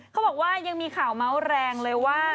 เขาบอกว่ายังมีข่าวเมาส์แรงเลยว่า